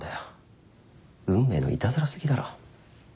運命のいたずら過ぎだろ。